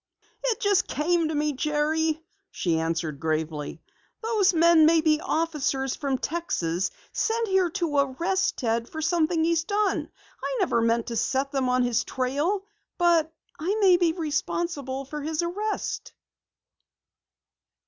"It just came to me, Jerry!" she answered gravely. "Those men may be officers from Texas sent here to arrest Ted for something he's done! I never meant to set them on his trail, but I may be responsible for his arrest!"